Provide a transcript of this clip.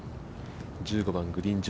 １５番グリーン上。